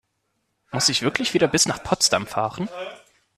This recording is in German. Muss ich wirklich wieder bis nach Potsdam fahren?